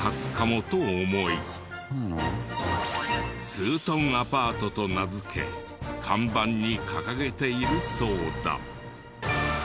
「ツートンアパート」と名付け看板に掲げているそうだ。